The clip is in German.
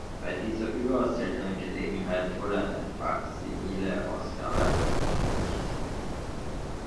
Bei dieser überaus seltenen Gelegenheit wurde eine Faksimileausgabe angefertigt.